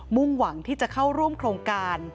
มุ่งหวังที่จะเข้าร่วมโครงการ